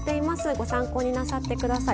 ご参考になさって下さい。